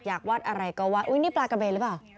วัดอะไรก็ว่าอุ๊ยนี่ปลากระเบนหรือเปล่า